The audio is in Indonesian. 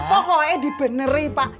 pokoknya dibeneri pak